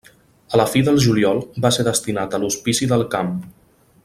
A la fi del juliol va ser destinat a l'hospici del camp.